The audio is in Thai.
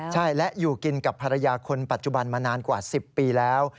ใช่และอยู่กินกับภรรยาคนปัจจุบันมานานกว่า๑๐ปีแล้ว